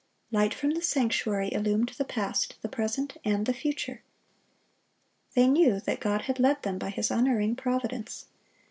Light from the sanctuary illumed the past, the present, and the future. They knew that God had led them by His unerring providence.